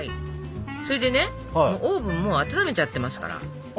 それでねオーブンもう温めちゃってますから。